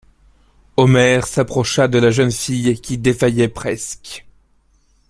Omer s'approcha de la jeune fille qui défaillait presque.